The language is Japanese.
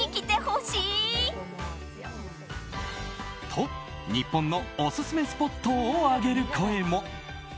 と、日本のおすすめスポットを挙げる声も。